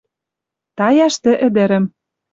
Таяш тӹ ӹдӹрӹм